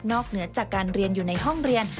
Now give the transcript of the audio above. เหนือจากการเรียนอยู่ในห้องเรียน